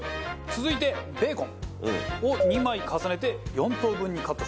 続いてベーコンを２枚重ねて４等分にカットします。